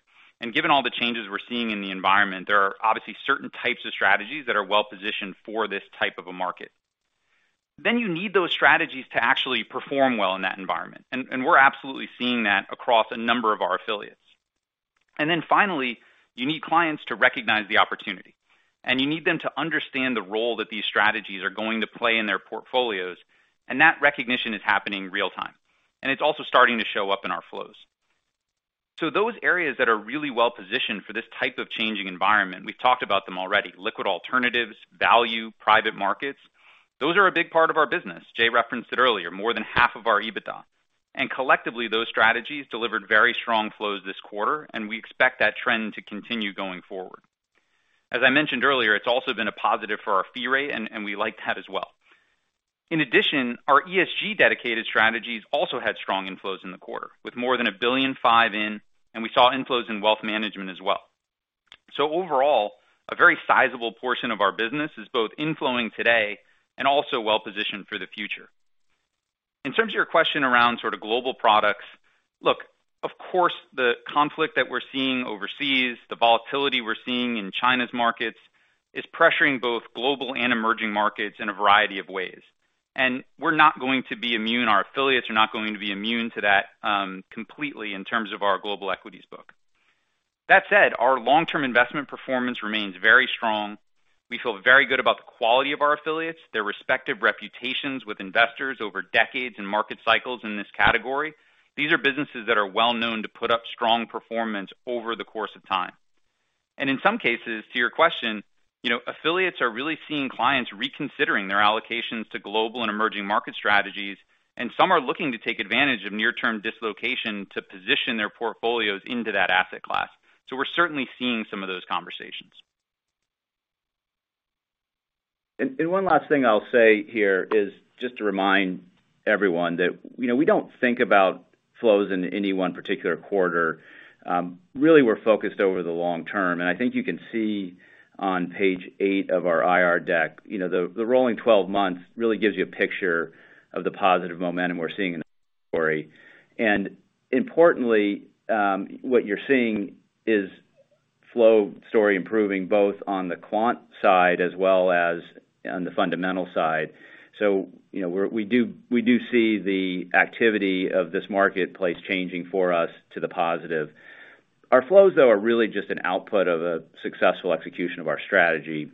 Given all the changes we're seeing in the environment, there are obviously certain types of strategies that are well-positioned for this type of a market. You need those strategies to actually perform well in that environment, and we're absolutely seeing that across a number of our affiliates. Finally, you need clients to recognize the opportunity, and you need them to understand the role that these strategies are going to play in their portfolios, and that recognition is happening real-time, and it's also starting to show up in our flows. Those areas that are really well-positioned for this type of changing environment, we've talked about them already. Liquid alternatives, value, private markets. Those are a big part of our business. Jay referenced it earlier, more than half of our EBITDA. Collectively, those strategies delivered very strong flows this quarter, and we expect that trend to continue going forward. As I mentioned earlier, it's also been a positive for our fee rate, and we like that as well. In addition, our ESG dedicated strategies also had strong inflows in the quarter, with more than $1.5 billion in, and we saw inflows in wealth management as well. Overall, a very sizable portion of our business is both inflowing today and also well-positioned for the future. In terms of your question around sort of global products, look, of course, the conflict that we're seeing overseas, the volatility we're seeing in China's markets is pressuring both global and emerging markets in a variety of ways. We're not going to be immune, our affiliates are not going to be immune to that completely in terms of our global equities book. That said, our long-term investment performance remains very strong. We feel very good about the quality of our affiliates, their respective reputations with investors over decades and market cycles in this category. These are businesses that are well known to put up strong performance over the course of time. In some cases, to your question, you know, affiliates are really seeing clients reconsidering their allocations to global and emerging market strategies, and some are looking to take advantage of near-term dislocation to position their portfolios into that asset class. We're certainly seeing some of those conversations. One last thing I'll say here is just to remind everyone that, you know, we don't think about flows in any one particular quarter. Really, we're focused over the long term. I think you can see on page eight of our IR deck, you know, the rolling 12 months really gives you a picture of the positive momentum we're seeing in the story. Importantly, what you're seeing is flow story improving both on the quant side as well as on the fundamental side. You know, we see the activity of this marketplace changing for us to the positive. Our flows, though, are really just an output of a successful execution of our strategy,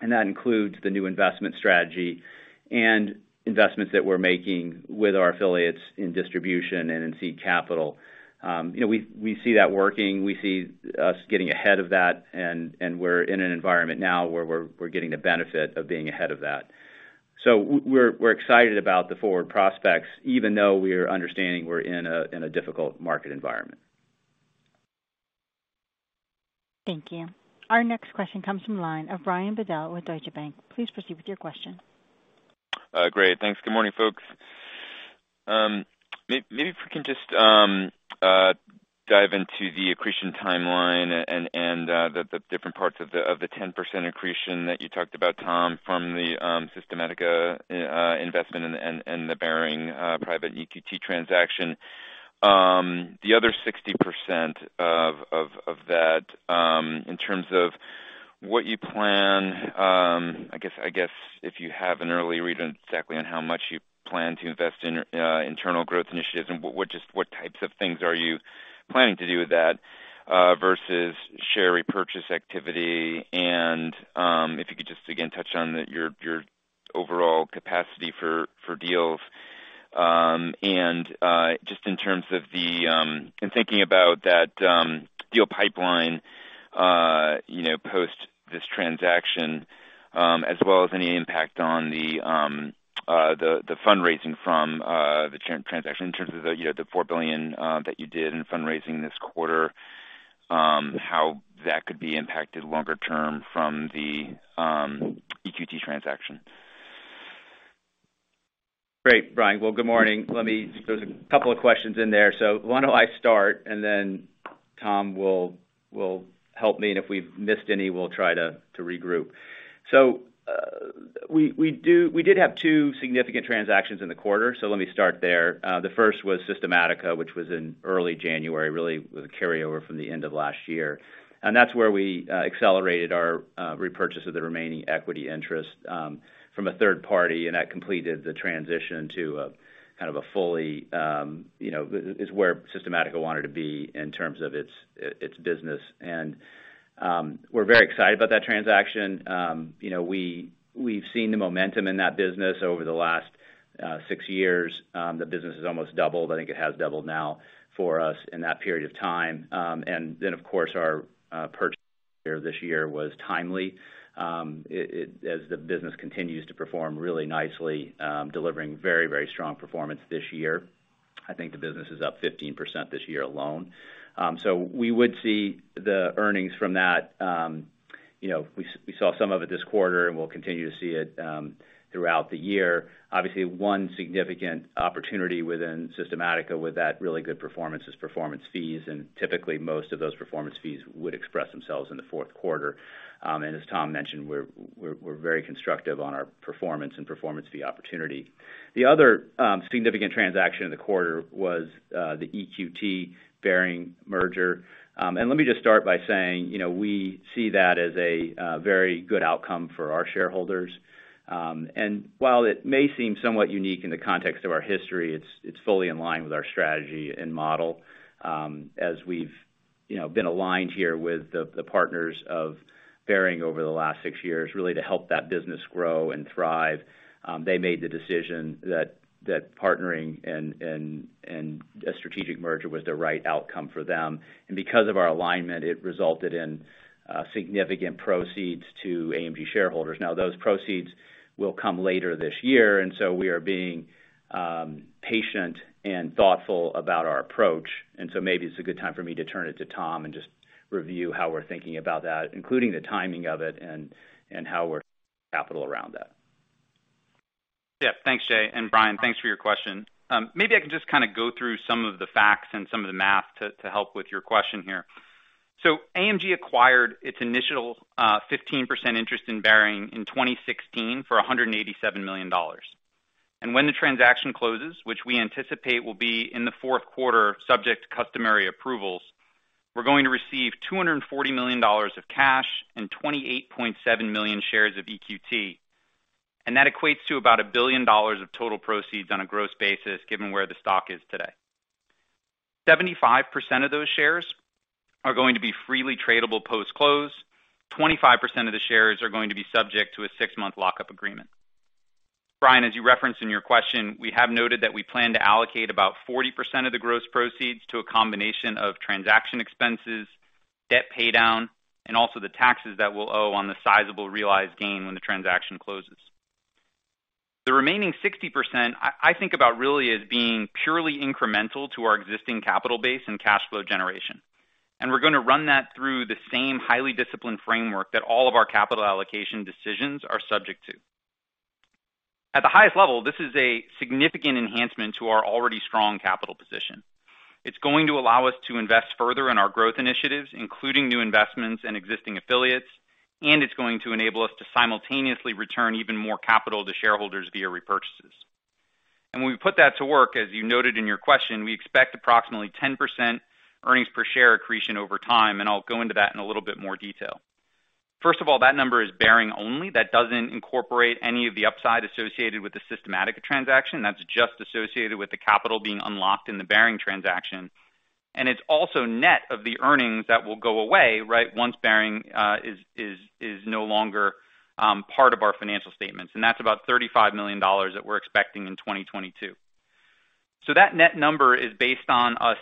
and that includes the new investment strategy and investments that we're making with our affiliates in distribution and in seed capital. You know, we see that working. We see us getting ahead of that, and we're in an environment now where we're getting the benefit of being ahead of that. We're excited about the forward prospects, even though we're understanding we're in a difficult market environment. Thank you. Our next question comes from the line of Brian Bedell with Deutsche Bank. Please proceed with your question. Great. Thanks. Good morning, folks. Maybe if we can just dive into the accretion timeline and the different parts of the 10% accretion that you talked about, Tom, from the Systematica investment and the Baring private equity EQT transaction. The other 60% of that in terms of what you plan, I guess if you have an early read on exactly how much you plan to invest in internal growth initiatives and what types of things are you planning to do with that versus share repurchase activity. If you could just again touch on your overall capacity for deals. Just in terms of thinking about that deal pipeline, you know, post this transaction, as well as any impact on the fundraising from the transaction in terms of the, you know, the $4 billion that you did in fundraising this quarter, how that could be impacted longer term from the EQT transaction. Great, Brian. Well, good morning. Let me. There's a couple of questions in there. Why don't I start, and then Tom will help me, and if we've missed any, we'll try to regroup. We did have two significant transactions in the quarter, so let me start there. The first was Systematica, which was in early January, really was a carryover from the end of last year. That's where we accelerated our repurchase of the remaining equity interest from a third party, and that completed the transition to a kind of a fully you know this where Systematica wanted to be in terms of its business. We're very excited about that transaction. You know, we've seen the momentum in that business over the last six years. The business has almost doubled. I think it has doubled now for us in that period of time. Of course, our purchase earlier this year was timely, as the business continues to perform really nicely, delivering very, very strong performance this year. I think the business is up 15% this year alone. We would see the earnings from that. You know, we saw some of it this quarter, and we'll continue to see it throughout the year. Obviously, one significant opportunity within Systematica with that really good performance is performance fees, and typically most of those performance fees would express themselves in the fourth quarter. As Tom mentioned, we're very constructive on our performance and performance fee opportunity. The other significant transaction in the quarter was the EQT Baring merger. Let me just start by saying, you know, we see that as a very good outcome for our shareholders. While it may seem somewhat unique in the context of our history, it's fully in line with our strategy and model. As we've you know been aligned here with the partners of Baring over the last six years, really to help that business grow and thrive, they made the decision that partnering and a strategic merger was the right outcome for them. Because of our alignment, it resulted in significant proceeds to AMG shareholders. Now, those proceeds will come later this year, and so we are being patient and thoughtful about our approach. Maybe it's a good time for me to turn it to Tom and just review how we're thinking about that, including the timing of it and how we're capitalized around that. Yeah. Thanks, Jay. Brian, thanks for your question. Maybe I can just kind of go through some of the facts and some of the math to help with your question here. AMG acquired its initial 15% interest in Baring in 2016 for $187 million. When the transaction closes, which we anticipate will be in the fourth quarter subject to customary approvals, we're going to receive $240 million of cash and 28.7 million shares of EQT. That equates to about $1 billion of total proceeds on a gross basis, given where the stock is today. 75% of those shares are going to be freely tradable post-close. 25% of the shares are going to be subject to a 6-month lock-up agreement. Brian, as you referenced in your question, we have noted that we plan to allocate about 40% of the gross proceeds to a combination of transaction expenses, debt paydown, and also the taxes that we'll owe on the sizable realized gain when the transaction closes. The remaining 60%, I think about really as being purely incremental to our existing capital base and cash flow generation. We're gonna run that through the same highly disciplined framework that all of our capital allocation decisions are subject to. At the highest level, this is a significant enhancement to our already strong capital position. It's going to allow us to invest further in our growth initiatives, including new investments and existing affiliates, and it's going to enable us to simultaneously return even more capital to shareholders via repurchases. When we put that to work, as you noted in your question, we expect approximately 10% earnings per share accretion over time, and I'll go into that in a little bit more detail. First of all, that number is Baring only. That doesn't incorporate any of the upside associated with the Systematica transaction. That's just associated with the capital being unlocked in the Baring transaction. It's also net of the earnings that will go away, right, once Baring is no longer part of our financial statements, and that's about $35 million that we're expecting in 2022. That net number is based on us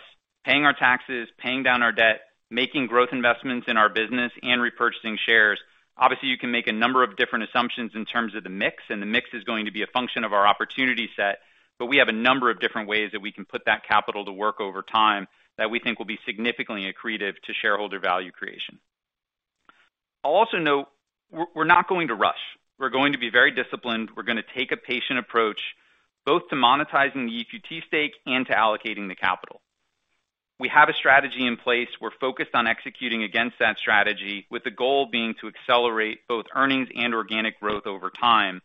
paying our taxes, paying down our debt, making growth investments in our business and repurchasing shares. Obviously, you can make a number of different assumptions in terms of the mix, and the mix is going to be a function of our opportunity set. But we have a number of different ways that we can put that capital to work over time that we think will be significantly accretive to shareholder value creation. I'll also note, we're not going to rush. We're going to be very disciplined. We're gonna take a patient approach, both to monetizing the EQT stake and to allocating the capital. We have a strategy in place. We're focused on executing against that strategy with the goal being to accelerate both earnings and organic growth over time.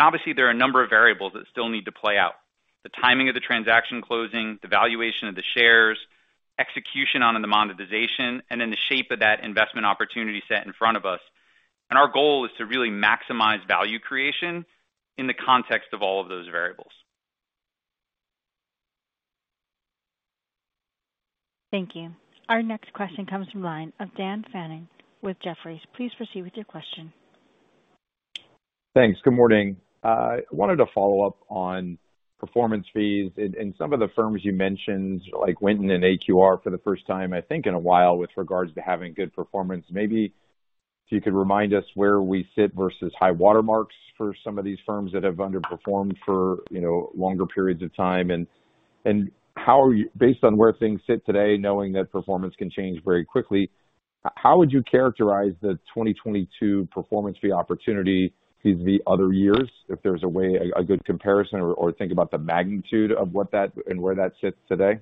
Obviously, there are a number of variables that still need to play out. The timing of the transaction closing, the valuation of the shares, execution on the monetization, and then the shape of that investment opportunity set in front of us. Our goal is to really maximize value creation in the context of all of those variables. Thank you. Our next question comes from the line of Dan Fannon with Jefferies. Please proceed with your question. Thanks. Good morning. I wanted to follow up on performance fees and some of the firms you mentioned, like Winton and AQR for the first time, I think in a while with regards to having good performance. Maybe if you could remind us where we sit versus high water marks for some of these firms that have underperformed for, you know, longer periods of time. How are you based on where things sit today, knowing that performance can change very quickly, how would you characterize the 2022 performance fee opportunity vis-a-vis other years, if there's a way, a good comparison or think about the magnitude of what that and where that sits today?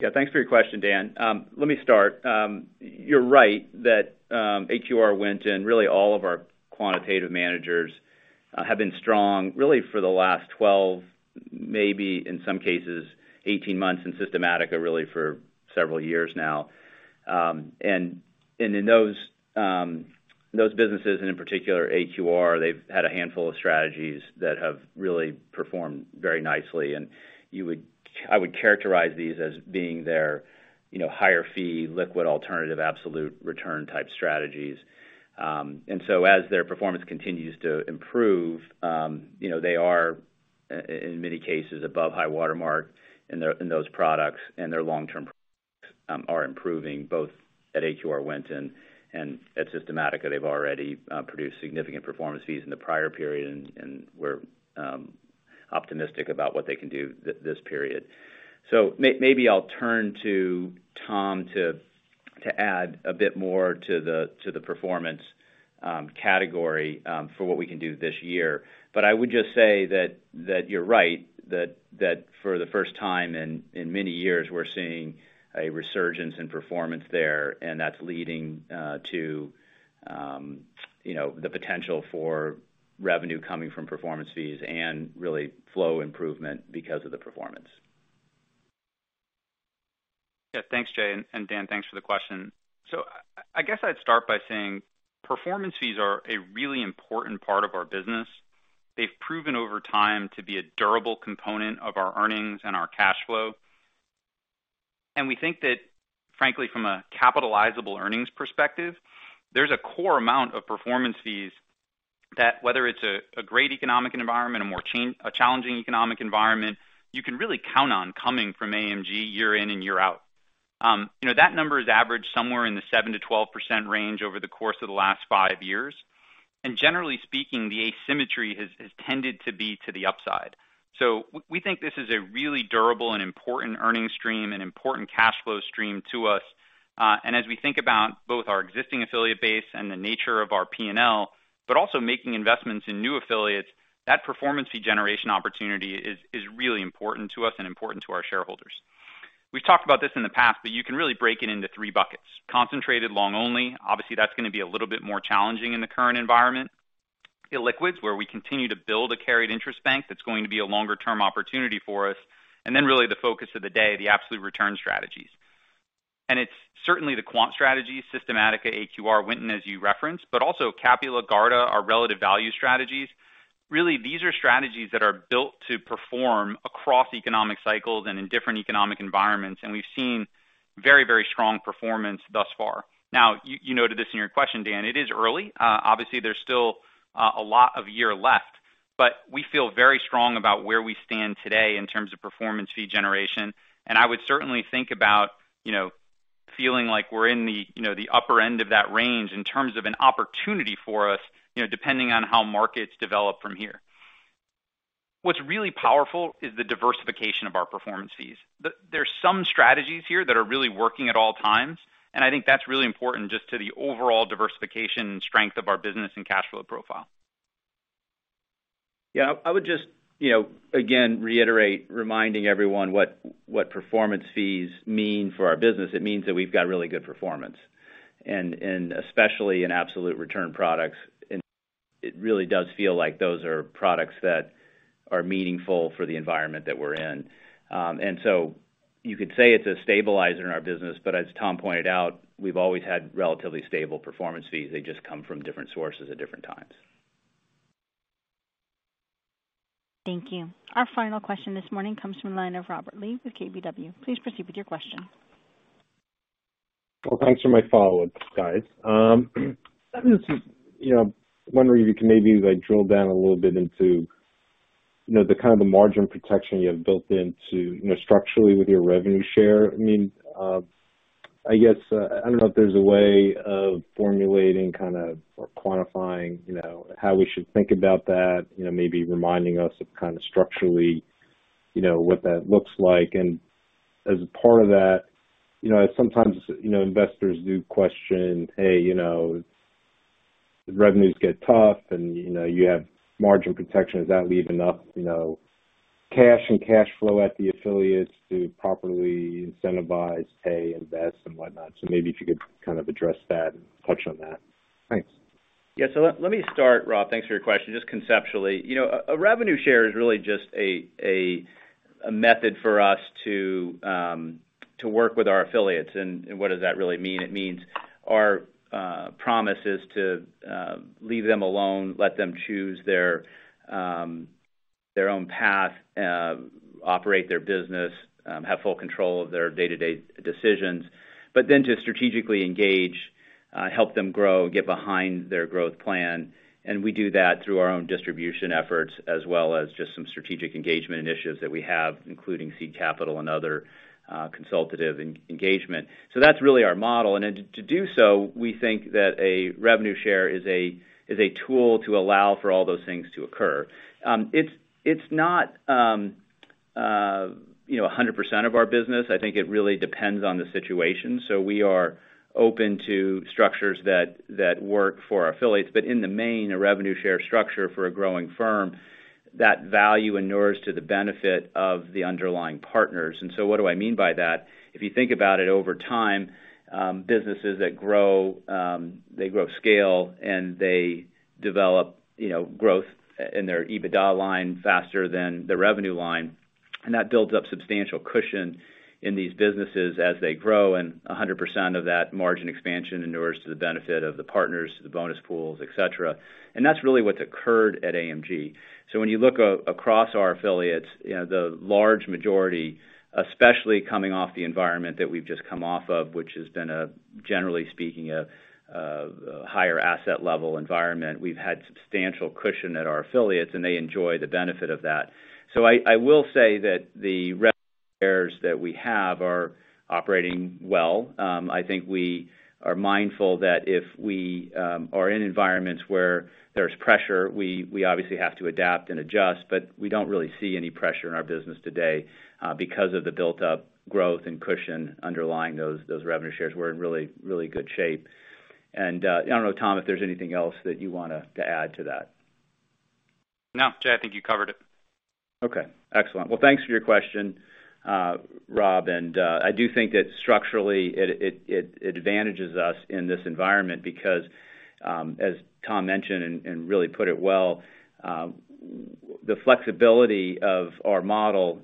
Yeah. Thanks for your question, Dan. Let me start. You're right that AQR Winton, really all of our quantitative managers, have been strong really for the last 12, maybe in some cases, 18 months, and systematic really for several years now. In those businesses, and in particular AQR, they've had a handful of strategies that have really performed very nicely. I would characterize these as being their, you know, higher fee, liquid alternative, absolute return type strategies. As their performance continues to improve, you know, they are in many cases above high water mark in those products, and their long-term are improving both at AQR Winton and at Systematica. They've already produced significant performance fees in the prior period, and we're optimistic about what they can do this period. Maybe I'll turn to Tom to add a bit more to the performance category for what we can do this year. I would just say that you're right that for the first time in many years, we're seeing a resurgence in performance there, and that's leading to you know, the potential for revenue coming from performance fees and really flow improvement because of the performance. Yeah. Thanks, Jay. Dan, thanks for the question. I guess I'd start by saying performance fees are a really important part of our business. They've proven over time to be a durable component of our earnings and our cash flow. We think that, frankly, from a capitalizable earnings perspective, there's a core amount of performance fees that whether it's a great economic environment, a more challenging economic environment, you can really count on coming from AMG year in and year out. That number is averaged somewhere in the 7%-12% range over the course of the last five years. Generally speaking, the asymmetry has tended to be to the upside. We think this is a really durable and important earnings stream and important cash flow stream to us. As we think about both our existing affiliate base and the nature of our P&L. But also making investments in new affiliates. That performance fee generation opportunity is really important to us and important to our shareholders. We've talked about this in the past, but you can really break it into three buckets. Concentrated long only. Obviously, that's gonna be a little bit more challenging in the current environment. Illiquids, where we continue to build a carried interest bank, that's going to be a longer term opportunity for us. Really the focus of the day, the absolute return strategies. It's certainly the quant strategy, Systematica, AQR, Winton, as you referenced, but also Capula, Garda, our relative value strategies. Really, these are strategies that are built to perform across economic cycles and in different economic environments, and we've seen very, very strong performance thus far. Now, you noted this in your question, Dan. It is early. Obviously, there's still a lot of year left, but we feel very strong about where we stand today in terms of performance fee generation. I would certainly think about, you know, feeling like we're in the, you know, the upper end of that range in terms of an opportunity for us, you know, depending on how markets develop from here. What's really powerful is the diversification of our performance fees. There's some strategies here that are really working at all times, and I think that's really important just to the overall diversification and strength of our business and cash flow profile. Yeah. I would just, you know, again, reiterate reminding everyone what performance fees mean for our business. It means that we've got really good performance. Especially in absolute return products, and it really does feel like those are products that are meaningful for the environment that we're in. You could say it's a stabilizer in our business, but as Tom pointed out, we've always had relatively stable performance fees. They just come from different sources at different times. Thank you. Our final question this morning comes from the line of Robert Lee with KBW. Please proceed with your question. Well, thanks for my follow-up, guys. I'm just, you know, wondering if you can maybe, like, drill down a little bit into, you know, the kind of the margin protection you have built into, you know, structurally with your revenue share. I mean, I guess, I don't know if there's a way of formulating kinda or quantifying, you know, how we should think about that, you know, maybe reminding us of kinda structurally, you know, what that looks like. As a part of that, you know, sometimes, you know, investors do question, hey, you know, the revenues get tough and, you know, you have margin protection, does that leave enough, you know, cash and cash flow at the affiliates to properly incentivize, pay, invest and whatnot? Maybe if you could kind of address that and touch on that. Thanks. Yeah. Let me start, Rob. Thanks for your question. Just conceptually, you know, a revenue share is really just a method for us to work with our affiliates. What does that really mean? It means our promise is to leave them alone, let them choose their own path, operate their business, have full control of their day-to-day decisions, but then to strategically engage, help them grow, get behind their growth plan, and we do that through our own distribution efforts as well as just some strategic engagement initiatives that we have, including seed capital and other consultative engagement. That's really our model. To do so, we think that a revenue share is a tool to allow for all those things to occur. It's not you know, 100% of our business. I think it really depends on the situation. We are open to structures that work for our affiliates. In the main, a revenue share structure for a growing firm, that value inures to the benefit of the underlying partners. What do I mean by that? If you think about it over time, businesses that grow, they grow scale, and they develop, you know, growth in their EBITDA line faster than the revenue line. That builds up substantial cushion in these businesses as they grow and 100% of that margin expansion inures to the benefit of the partners, the bonus pools, et cetera. That's really what's occurred at AMG. When you look across our affiliates, you know, the large majority, especially coming off the environment that we've just come off of, which has been, generally speaking, a higher asset level environment. We've had substantial cushion at our affiliates, and they enjoy the benefit of that. I will say that the revenue shares that we have are operating well. I think we are mindful that if we are in environments where there's pressure, we obviously have to adapt and adjust, but we don't really see any pressure in our business today, because of the built-up growth and cushion underlying those revenue shares. We're in really good shape. I don't know, Tom, if there's anything else that you want to add to that. No. Jay, I think you covered it. Okay, excellent. Well, thanks for your question, Rob. I do think that structurally it advantages us in this environment because, as Tom mentioned and really put it well, the flexibility of our model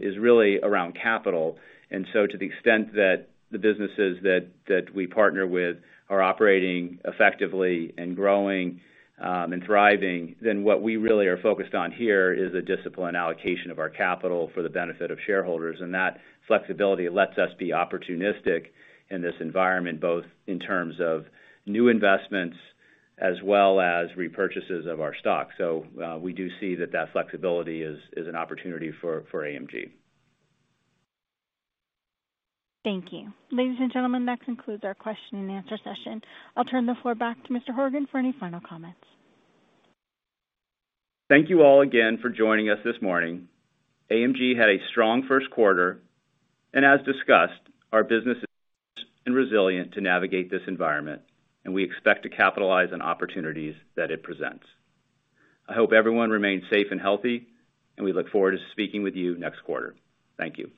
is really around capital. To the extent that the businesses that we partner with are operating effectively and growing, and thriving, then what we really are focused on here is a disciplined allocation of our capital for the benefit of shareholders. That flexibility lets us be opportunistic in this environment, both in terms of new investments as well as repurchases of our stock. We do see that flexibility is an opportunity for AMG. Thank you. Ladies and gentlemen, that concludes our question and answer session. I'll turn the floor back to Mr. Horgen for any final comments. Thank you all again for joining us this morning. AMG had a strong first quarter. As discussed, our business is resilient to navigate this environment, and we expect to capitalize on opportunities that it presents. I hope everyone remains safe and healthy, and we look forward to speaking with you next quarter. Thank you.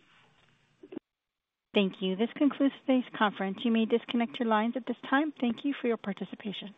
Thank you. This concludes today's conference. You may disconnect your lines at this time. Thank you for your participation.